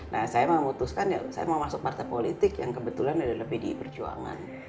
nah saya memutuskan ya saya mau masuk partai politik yang kebetulan adalah pdi perjuangan